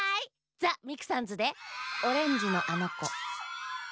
ザ・ミクさんズで「オレンジのあのこ」。